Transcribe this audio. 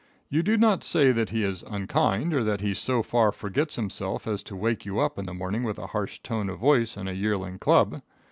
You do not say that he is unkind or that he so far forgets himself as to wake you up in the morning with a harsh tone of voice and a yearling club.